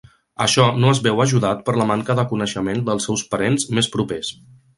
Això no es veu ajudat per la manca de coneixement dels seus parents més propers.